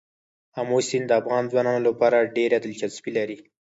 آمو سیند د افغان ځوانانو لپاره ډېره دلچسپي لري.